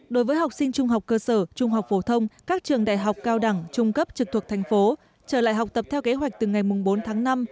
đối với học sinh trung học cơ sở trung học phổ thông các trường đại học cao đẳng trung cấp trực thuộc thành phố trở lại học tập theo kế hoạch từ ngày bốn tháng năm